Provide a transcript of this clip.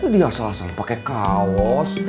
dia asal asalan pakai kaos